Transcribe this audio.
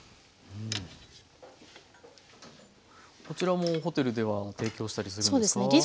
こちらもホテルでは提供したりするんですか？